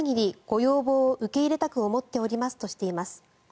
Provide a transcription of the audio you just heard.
ご要望を受け入れたく思っておりますとしています。